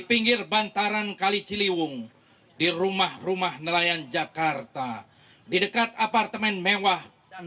pinggir bantaran kali ciliwung di rumah rumah nelayan jakarta di dekat apartemen mewah dan